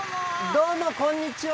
どうもこんにちは。